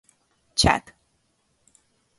Chat